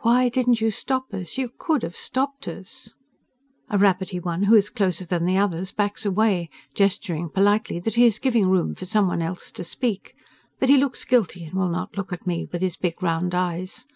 "Why didn't you stop us? You could have stopped us." A rabbity one who is closer than the others backs away, gesturing politely that he is giving room for someone else to speak, but he looks guilty and will not look at me with his big round eyes.